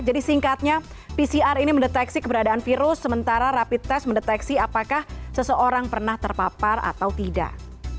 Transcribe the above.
jadi singkatnya pcr ini mendeteksi keberadaan virus sementara rapid test mendeteksi apakah seseorang pernah terpapar atau tidak